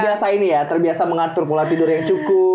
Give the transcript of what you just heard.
biasa ini ya terbiasa mengatur pola tidur yang cukup